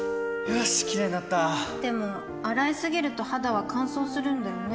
よしキレイになったでも、洗いすぎると肌は乾燥するんだよね